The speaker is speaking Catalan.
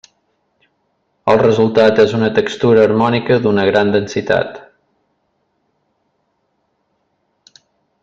El resultat és una textura harmònica d'una gran densitat.